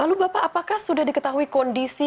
lalu bapak apakah sudah diketahui kondisi